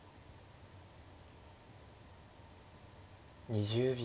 ２０秒。